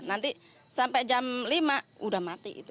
nanti sampai jam lima udah mati itu